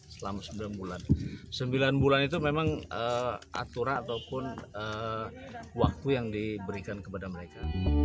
selama sembilan bulan sembilan bulan itu memang aturan ataupun waktu yang diberikan kepada mereka